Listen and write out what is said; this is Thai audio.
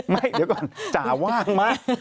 ไม่เดี๋ยวก่อนจ่าว่างไหม